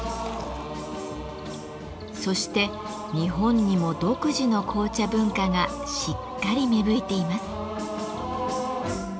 そして日本にも独自の紅茶文化がしっかり芽吹いています。